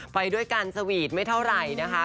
ไปด้วยกันสวีทไม่เท่าไหร่นะคะ